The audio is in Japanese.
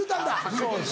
そうです。